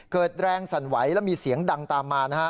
เกิดแรงสั่นไหวแล้วมีเสียงดังตามมานะฮะ